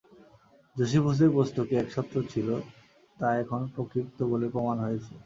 জোসিফুসের পুস্তকে এক ছত্র ছিল, তা এখন প্রক্ষিপ্ত বলে প্রমাণ হয়েছে।